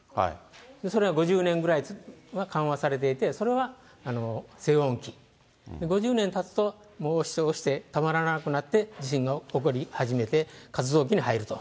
それは５０年ぐらい緩和されていて、それは静穏期、５０年たつと、もう一押しで、たまらなくなって、地震が起こり始めて、活動期に入ると。